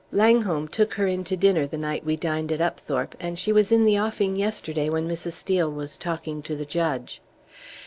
Langholm took her into dinner the night we dined at Upthorpe, and she was in the offing yesterday when Mrs. Steel was talking to the judge."